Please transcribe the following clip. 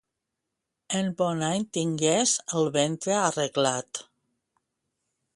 En bon any tingues el ventre arreglat.